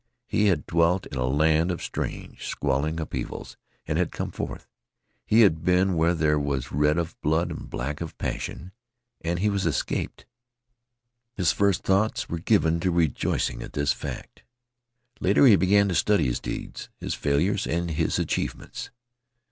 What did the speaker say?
He had dwelt in a land of strange, squalling upheavals and had come forth. He had been where there was red of blood and black of passion, and he was escaped. His first thoughts were given to rejoicings at this fact. Later he began to study his deeds, his failures, and his achievements.